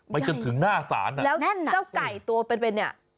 ไปจนถึงหน้าสารนะแล้วเจ้าไก่ตัวเป็น